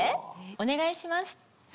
お願いします。